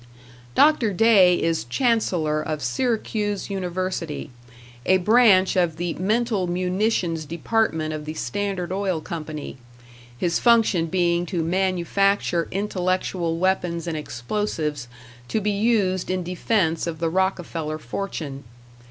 Dr. Day is Chancellor of Syracuse University, a branch of the Mental Munitions Department of the Standard Oil Company; his function being to manufacture intellectual weapons and explosives to be used in defense of the Rockefeller fortune.